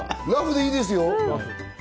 ラフでいいですよ。